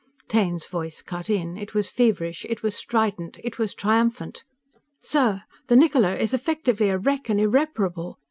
Taine's voice cut in. It was feverish. It was strident. It was triumphant. "_Sir! The Niccola is effectively a wreck and unrepairable.